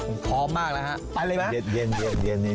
ผมพร้อมมากแล้วครับไปเลยแม่